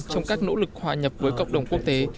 trong các nỗ lực hòa nhập với cộng đồng quốc tế